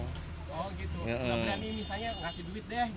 oh gitu nggak berani misalnya ngasih duit deh